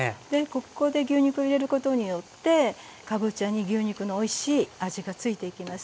ここで牛肉を入れることによってかぼちゃに牛肉のおいしい味がついていきます。